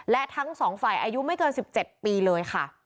และทั้งสองฝ่ายอายุไม่เกิน๑๗ปีเลยค่ะ